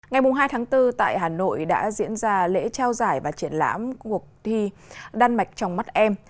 ngày hai tháng bốn tại hà nội đã diễn ra lễ trao giải và triển lãm cuộc thi đan mạch trong mắt em